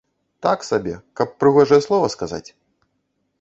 Так сабе, каб прыгожае слова сказаць?